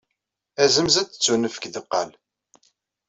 Azemz ad d-ttunefk deqqal.